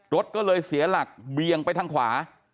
รถก็เลยเสียหลักเบียงไปทางขวา